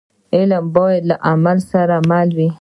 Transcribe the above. علم باید له عمل سره مل وي.